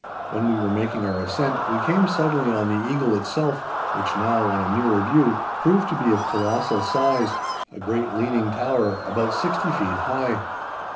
When we were making our ascent we came suddenly on the Eagle itself, which now, on a nearer view, proved to be of colossal size, a great leaning tower, about sixty feet high.